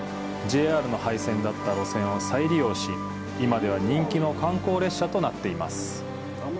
ＪＲの廃線だった路線を再利用し、今では人気の観光列車となっています。